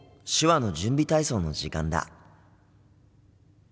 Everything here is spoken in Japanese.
手話の準備体操の時間だ。